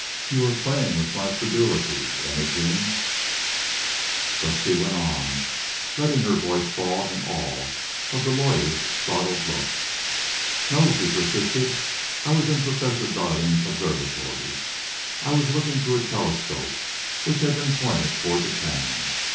"You are playing with my credulity, Imogene." But she went on, letting her voice fall in awe of the lawyer's startled look. "No," she persisted; "I was in Professor Darling's observatory. I was looking through a telescope, which had been pointed toward the town.